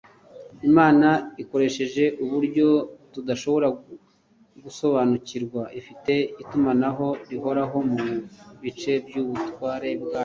imana ikoresheje uburyo tudashobora gusobanukirwa, ifite itumanaho rihoraho mu bice byose by’ubutware bwayo